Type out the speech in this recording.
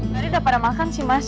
berarti udah pada makan sih mas